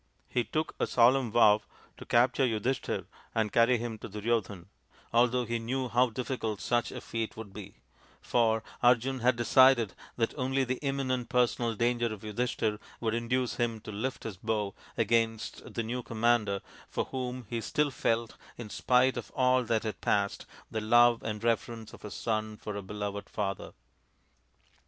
He took a solemn vow to capture Yudhishthir and carry him to io8 THE INDIAN STORY BOOK Duryodhan, although he knew how difficult such a feat would be, for Arjun had decided that only the imminent personal danger of Yudhishthir would induce him to lift his bow against the new com mander, for whom he still felt, in spite of all that had passed, the love and reverence of a son for a beloved father.